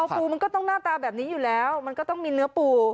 ปูมันก็ต้องหน้าตาแบบนี้อยู่แล้วมันก็ต้องมีเนื้อปู